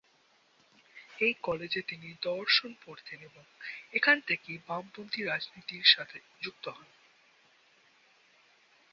এই কলেজে তিনি দর্শন পড়তেন এবং এখান থেকেই বামপন্থী রাজনীতির সাথে যুক্ত হন।